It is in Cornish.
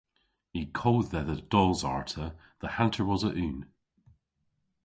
Y kodh dhedha dos arta dhe hanter wosa unn.